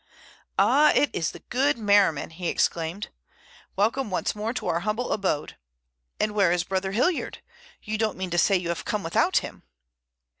"Ah, it is the good Merriman," he exclaimed. "Welcome once more to our humble abode. And where is brother Hilliard? You don't mean to say you have come without him?"